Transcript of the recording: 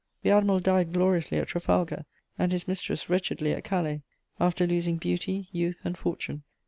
The admiral died gloriously at Trafalgar, and his mistress wretchedly at Calais, after losing beauty, youth and fortune.